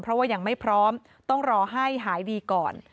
เพราะว่ายังไม่พร้อมต้องรอให้หายดีก่อน